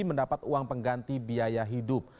mendapat uang pengganti biaya hidup